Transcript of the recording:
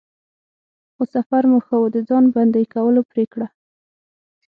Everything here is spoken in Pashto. خو سفر مو ښه و، د د ځان بندی کولو پرېکړه.